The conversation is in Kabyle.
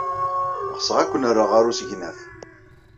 Ɣseɣ ad ken-rreɣ ɣer usegnaf.